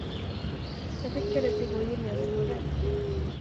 Jag skickar det till vår gemensamma vän.